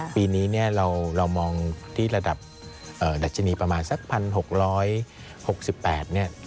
ปีนี้เรามองที่ระดับดัชนีประมาณสัก๑๖๖๘บาท